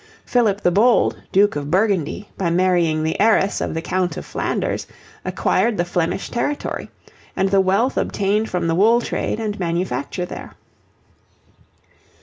Philip the Bold, Duke of Burgundy, by marrying the heiress of the Count of Flanders acquired the Flemish territory and the wealth obtained from the wool trade and manufacture there.